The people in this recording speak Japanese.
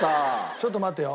ちょっと待ってよ。